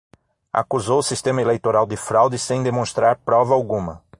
Acusou o sistema eleitoral de fraude sem demonstrar prova alguma